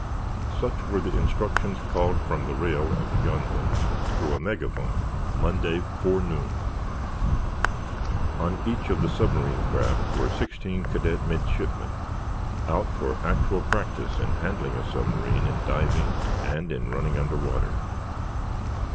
Such were the instructions called from the rail of the gunboat, through a megaphone, Monday forenoon. On each of the submarine craft were sixteen cadet midshipmen, out for actual practice in handling a submarine in diving and in running under water.